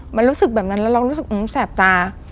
มันรู้สึกแบบนั้นแล้วเรารู้สึกแสบตา